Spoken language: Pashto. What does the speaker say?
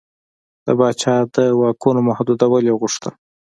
د پاچا د واکونو محدودول یې غوښتل.